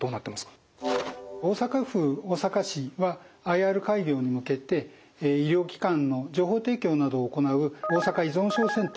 大阪府大阪市はＩＲ開業に向けて医療機関の情報提供などを行う大阪依存症センター